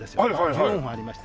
１４本ありまして。